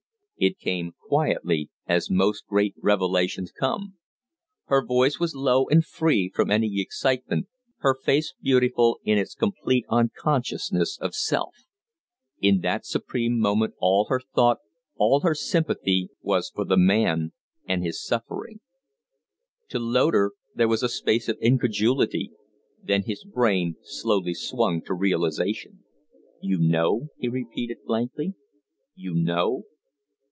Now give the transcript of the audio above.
It came quietly, as most great revelations come. Her voice was low and free from any excitement, her face beautiful in its complete unconsciousness of self. In that supreme moment all her thought, all her sympathy was for the man and his suffering. To Loder there was a space of incredulity; then his brain slowly swung to realization. "You know?" he repeated, blankly. "You know?"